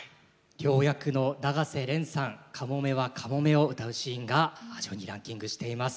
亮役の永瀬廉さん「かもめはかもめ」を歌うシーンが上位にランキングしています。